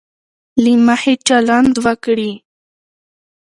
له مخي چلند وکړي.